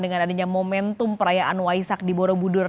dengan adanya momentum perayaan waisak di borobudur